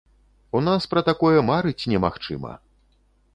У нас пра такое марыць немагчыма!